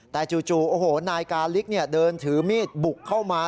แต่จู่โอ้โหนายกาลิกเดินถือมีดบุกเข้ามา